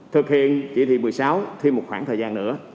thực hiện chỉ thị một mươi sáu thêm một khoảng thời gian nữa